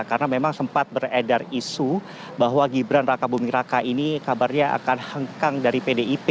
karena memang sempat beredar isu bahwa gibran raka buming raka ini kabarnya akan hengkang dari pdip